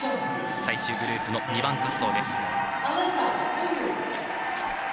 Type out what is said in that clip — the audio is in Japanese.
最終グループの２番滑走です。